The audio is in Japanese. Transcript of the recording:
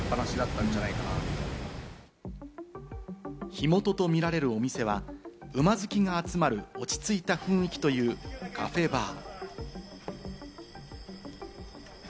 火元と見られるお店は、馬好きが集まる落ち着いた雰囲気というカフェバー。